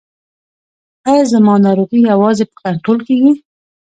ایا زما ناروغي یوازې په کنټرول کیږي؟